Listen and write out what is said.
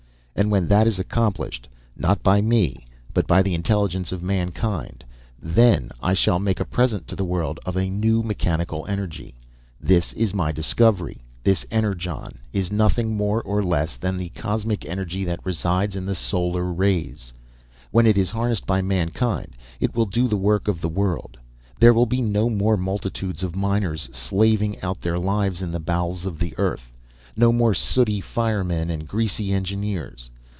And when that is accomplished, not by me but by the intelligence of mankind, then I shall make a present to the world of a new mechanical energy. This is my discovery. This Energon is nothing more nor less than the cosmic energy that resides in the solar rays. When it is harnessed by mankind it will do the work of the world. There will be no more multitudes of miners slaving out their lives in the bowels of the earth, no more sooty firemen and greasy engineers.